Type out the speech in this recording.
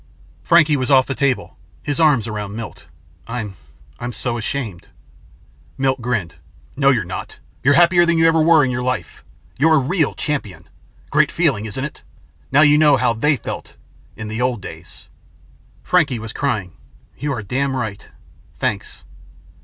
Frankie was off the table, his arms around Milt. "I'm I'm so ashamed." Milt grinned. "No, you're not. You're happier than you ever were in your life. You're a real champion. Great feeling, isn't it? Now you know how they felt in the old days." Frankie was crying. "You are damn right! Thanks."